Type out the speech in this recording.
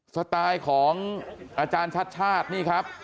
สไตล์ของอาจารย์ชัดชาตินี่ครับ